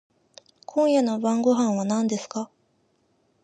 今夜の晩御飯は何ですか？